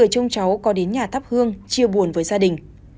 con đến nhà thắp hương chia buồn với gia đình